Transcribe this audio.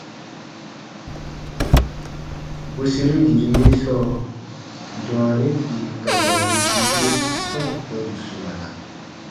Bwerseru yiru ye sɔɔ, dwaanin bii ka dwaanibuu ge ba ǹ kpɛ̃ bù suana,